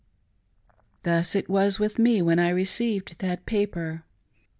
Thus it was with me when I received that paper.